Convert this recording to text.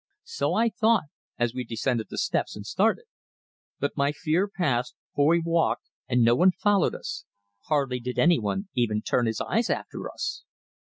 So I thought, as we descended the steps and started; but my fear passed, for we walked and no one followed us hardly did anyone even turn his eyes after us.